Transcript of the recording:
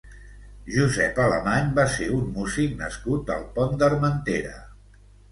Josep Alemany va ser un músic nascut al Pont d'Armentera.